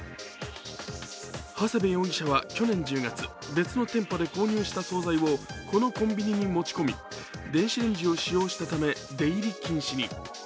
ハセベ容疑者は去年１０月、別の店舗で購入した総菜をこのコンビニに持ち込み電子レンジを使用したため出入り禁止に。